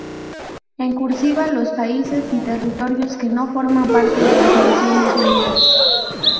En cursiva los países y territorios que no forman parte de las Naciones Unidas